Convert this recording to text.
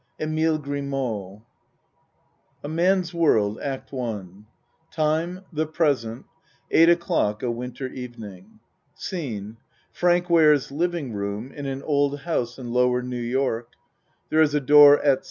EMILE GRIMEAUX. A MAN'S WORLD ACT I Time The present Eight o'clock a winter even ing. Scene Frank Ware's living room in an old house in lower New York. There is a door at C.